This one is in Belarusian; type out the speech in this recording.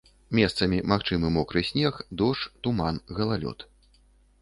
Месцамі магчымы мокры снег, дождж, туман, галалёд.